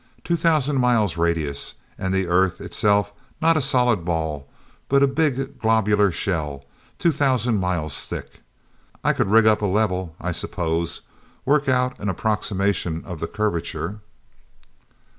"Two thousand miles radius—and the earth itself not a solid ball, but a big globular shell two thousand miles thick. I could rig up a level, I suppose; work out an approximation of the curvature."